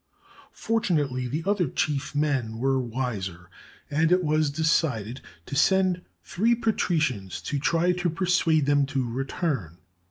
Fortunately, the other chief men were wiser, and it was decided to send three patricians to try to persuade them to return.